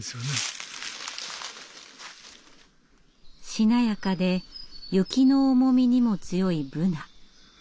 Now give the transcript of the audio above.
しなやかで雪の重みにも強いブナ。